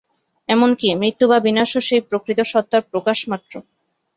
এমন কি, মৃত্যু বা বিনাশও সেই প্রকৃত সত্তার প্রকাশমাত্র।